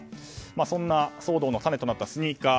そんな騒動の種となったスニーカー。